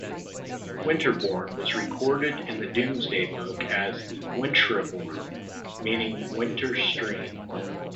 Winterbourne was recorded in the Domesday Book as "Wintreborne", meaning 'Winter Stream'.